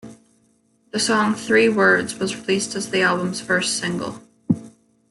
The song "Three Words" was released as the album's first single.